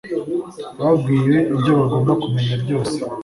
babwiwe ibyo bagomba kumenya byose